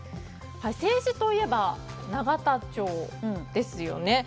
政治といえば永田町ですよね。